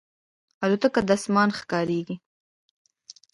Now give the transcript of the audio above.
الوتکه د اسمان ښکاریږي.